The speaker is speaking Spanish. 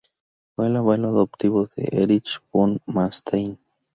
Fue el abuelo adoptivo de Erich von Manstein.